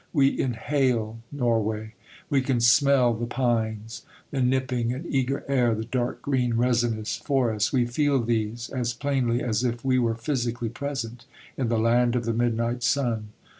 We inhale Norway. We can smell the pines. The nipping and eager air, the dark green resinous forests we feel these as plainly as if we were physically present in the Land of the Midnight Sun.